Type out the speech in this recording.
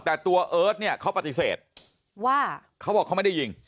แต่ตัวเอิร์ทเนี่ยเขาปฏิเสธว่าเขาบอกเขาไม่ได้ยิง